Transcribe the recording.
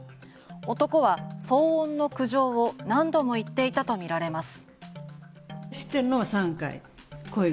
男は騒音の苦情を何度も言っていたとみられます。